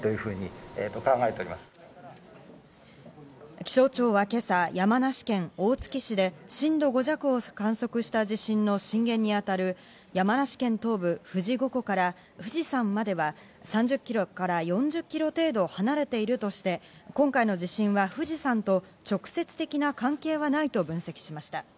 気象庁は今朝、山梨県大月市で震度５弱を観測した地震の震源にあたる山梨県東部・富士五湖から富士山までは３０ｋｍから４０ｋｍ程度離れているとして、今回の地震は富士山と直接的な関係はないと分析しました。